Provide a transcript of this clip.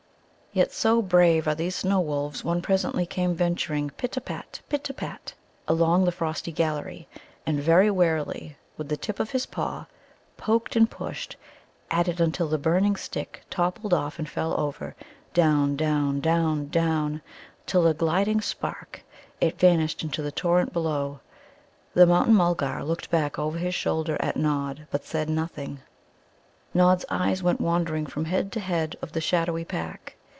Yet so brave are these snow wolves one presently came venturing pitapat, pitapat, along the frosty gallery, and very warily, with the tip of his paw, poked and pushed at it until the burning stick toppled and fell over, down, down, down, down, till, a gliding spark, it vanished into the torrent below. The Mountain mulgar looked back over his shoulder at Nod, but said nothing. Nod's eyes went wandering from head to head of the shadowy pack.